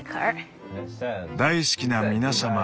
「大好きな皆様。